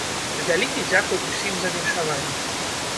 Вялікі дзякуй усім за віншаванні!